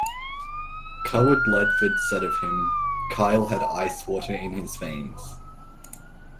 Cawood Ledford said of him, Kyle had ice water in his veins.